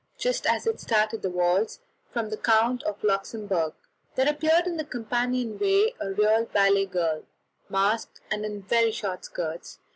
Just as it started the waltz from "The Count of Luxembourg," there appeared in the companion way a real ballet girl, masked, and in very short skirts.